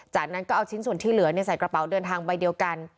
จากนั้นก็เอาชิ้นส่วนที่เหลือใส่กระเป๋าเดินทางใบเดียวกัน